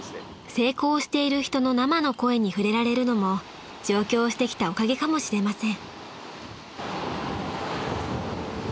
［成功している人の生の声に触れられるのも上京してきたおかげかもしれません］